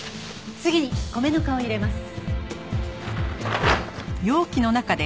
次に米ぬかを入れます。